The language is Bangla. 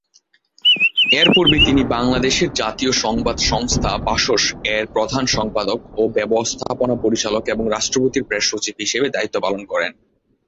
এরপূর্বে তিনি বাংলাদেশের জাতীয় সংবাদ সংস্থা বাসস-এর প্রধান সম্পাদক ও ব্যবস্থাপনা পরিচালক এবং রাষ্ট্রপতির প্রেস সচিব হিসেবে দায়িত্ব পালন করেন।